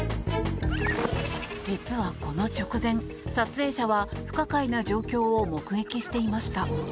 実は、この直前撮影者は不可解な状況を目撃していました。